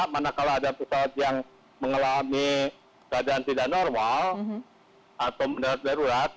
manakala ada pesawat yang mengalami keadaan tidak normal atau mendarat darurat